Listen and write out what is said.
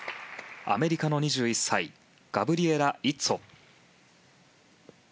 アメリカの２１歳ガブリエラ・イッツォ。